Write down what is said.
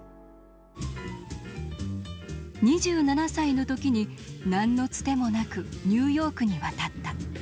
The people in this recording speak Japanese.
２７歳の時に何のつてもなくニューヨークに渡った。